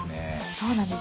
そうなんです。